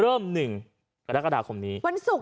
เริ่ม๑กรกฎาคมนี้